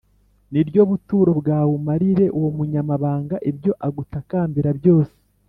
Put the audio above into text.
ni ryo buturo bwawe, umarire uwo munyamahanga ibyo agutakambira byose